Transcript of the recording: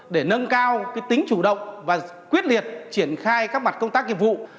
để nâng cao tính chủ động và quyết liệt triển khai các mặt công tác nghiệp vụ